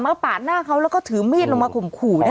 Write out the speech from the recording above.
ปาดหน้าเขาแล้วก็ถือมีดลงมาข่มขู่